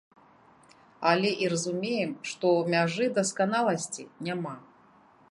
Але і разумеем, што мяжы дасканаласці няма.